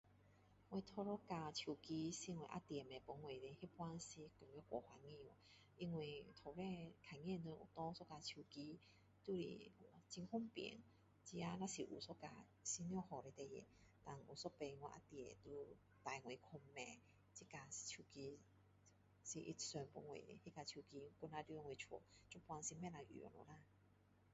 我第一架手机是我啊弟买给我的那个时候太高兴 wo 因为从来看到有人有拿一架手机都是很方便自己如果有一架是多好的事情然后有一次我啊弟就带我去买这架手机是他送给我的那架手机还在我家现在是不能用了啦